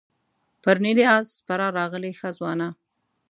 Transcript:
پر نیلي آس سپره راغلې ښه ځوانه.